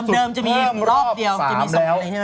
เพิ่มรอบ๓แล้ว